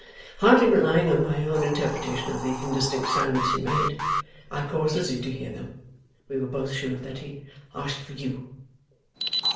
Hardly relying on my own interpretation of the indistinct sounds he made, I caused Lizzie to hear them. We were both sure that he asked for you.